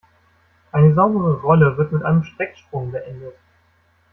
Eine saubere Rolle wird mit einem Strecksprung beendet.